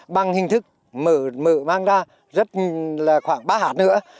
bằng hình thức mở mang ra rất là khoảng ba hạt nữa